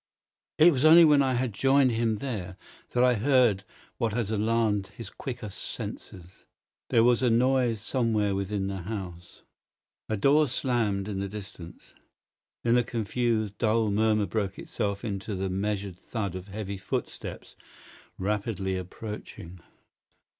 It was only when I had joined him there that I heard what had alarmed his quicker senses. There was a noise somewhere within the house. A door slammed in the distance. Then a confused, dull murmur broke itself into the measured thud of heavy footsteps rapidly approaching.